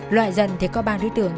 loại dần thì có ba đối tượng